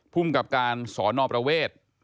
ภูมิกับการศนประเวทย์